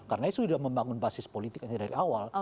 karena itu sudah membangun basis politik dari awal